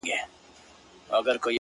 څنگه دې پر مخ د دنيا نم راغلی’